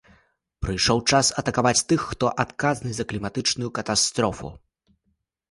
Прыйшоў час атакаваць тых, хто адказны за кліматычную катастрофу.